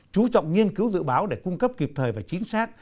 chú trọng nghiên cứu dự báo để cung cấp kịp thời và chính xác